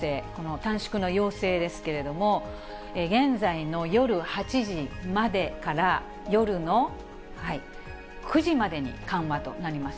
短縮の要請ですけれども、現在の夜８時までから、夜の９時までに緩和となります。